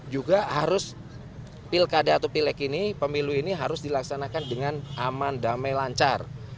juga harus pilkada atau pileg ini pemilu ini harus dilaksanakan dengan aman damai lancar